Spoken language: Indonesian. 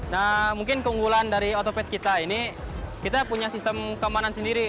nah mungkin keunggulan dari otopet kita ini kita punya sistem keamanan sendiri